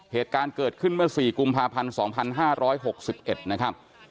เหตุการณ์เกิดขึ้นเมื่อ๔กุมภาพันธ์๒๕๖๑นะครับ